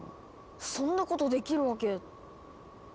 そんなことできるわけ。